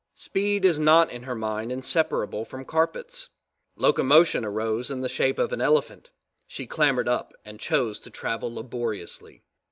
Speed is not in her mind inseparable from carpets. Locomotion arose in the shape of an elephant, she clambered up and chose to travel laboriously.